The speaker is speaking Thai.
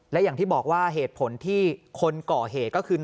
และอย่างที่บอกว่าเหตุผลที่คนก่อเหตุก็คือ